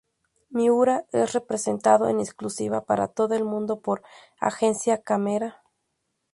Miura es representado en exclusiva para todo el mundo por Agencia Camera.